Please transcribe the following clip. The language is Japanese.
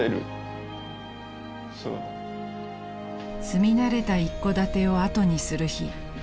［住み慣れた一戸建てを後にする日］